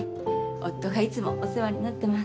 夫がいつもお世話になってます。